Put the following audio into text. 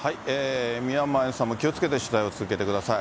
宮前さんも気をつけて取材を続けてください。